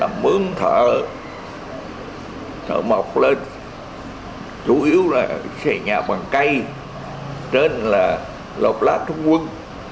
mướn thợ thợ mọc lên chủ yếu là xây nhà bằng cây trên là lọc lá trung quân